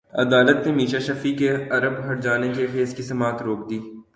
عدالت نے میشا شفیع کے ارب ہرجانے کے کیس کی سماعت روک دی